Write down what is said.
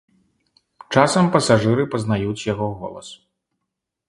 Часам пасажыры пазнаюць яго голас.